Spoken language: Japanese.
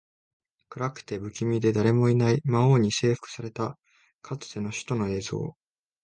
暗くて、不気味で、誰もいない魔王に征服されたかつての首都の映像